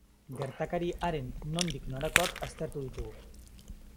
Gertakari haren nondik norakoak aztertu ditugu.